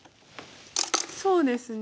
そうですね。